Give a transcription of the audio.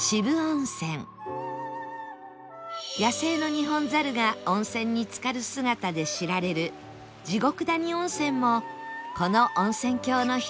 野生のニホンザルが温泉につかる姿で知られる地獄谷温泉もこの温泉郷の一つです